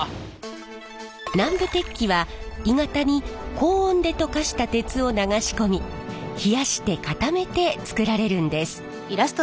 南部鉄器は鋳型に高温で溶かした鉄を流し込み冷やして固めて作られるんです。